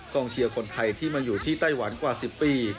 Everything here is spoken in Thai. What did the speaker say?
เชียร์คนไทยที่มาอยู่ที่ไต้หวันกว่า๑๐ปี